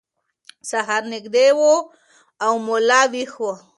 سهار نږدې و او ملا ویښ و.